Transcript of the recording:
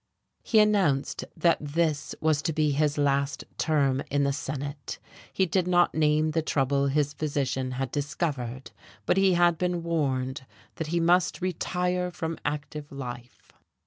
He announced that this was to be his last term in the Senate. He did not name the trouble his physician had discovered, but he had been warned that he must retire from active life.